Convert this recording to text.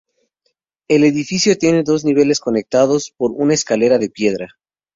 El edificio tiene dos niveles conectados por una escalera de piedra.